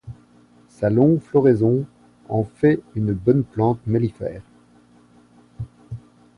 Sa longue floraison en fait une bonne plante mellifère.